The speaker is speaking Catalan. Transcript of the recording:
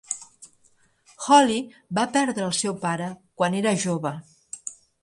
Holly va perdre el seu pare quan era jove.